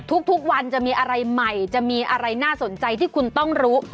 ทุกวันจะมีอะไรใหม่จะมีอะไรน่าสนใจที่คุณต้องรู้